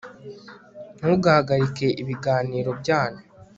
ntugahagarike ibiganiro byacu